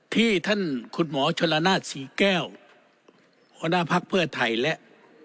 ที่ท่านคุณหมอชนรนาศสี่แก้วหัวหน้าพรรคเพื่อไทยและ